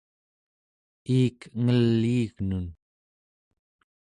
iik ngeliignun